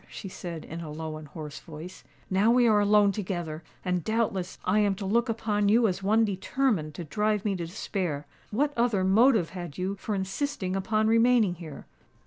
she said, in a low and hoarse voice. "Now we are alone together—and doubtless I am to look upon you as one determined to drive me to despair. What other motive had you for insisting upon remaining here?"